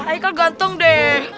haikal ganteng deh